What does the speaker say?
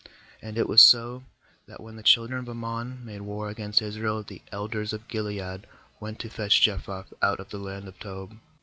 6And it was so, that when the children of Ammon made war against Israel, the elders of Gilead went to fetch Jephthah out of the land of Tob.